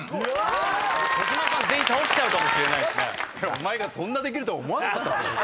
お前がそんなできると思わなかったぞ。